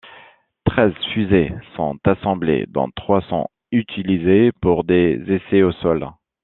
Treize fusées sont assemblées dont trois sont utilisées pour des essais au sol.